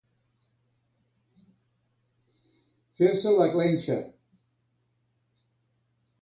Fer-se la clenxa.